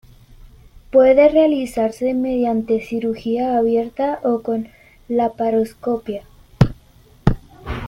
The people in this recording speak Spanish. Puede realizarse mediante cirugía abierta o con laparoscopia.